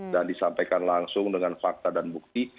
disampaikan langsung dengan fakta dan bukti